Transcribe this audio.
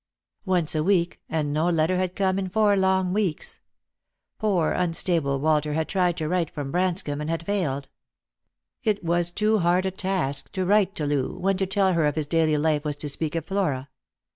Once a week, and no letter had come in four long weeks. Poor unstable Walter had tried to write from Branscomb and had failed. It was too hard a task to write to Loo, when to tell her of his daily life was to speak of Flora.